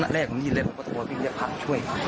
นัดแรกไม่ได้ยินเลยเพราะถั่วพี่เรียกพ่อช่วย